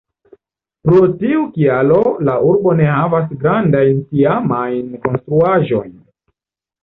Pro tiu kialo la urbo ne havas grandajn tiamajn konstruaĵojn.